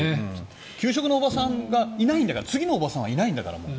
給食のおばさんがいないんだから次のおばさんはもういないんだから。